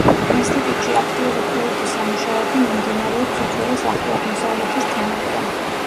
ინსტიტუტში აქტიური კვლევითი სამუშაოები მიმდინარეობს უძველეს ახლო აღმოსავლეთის თემებზე.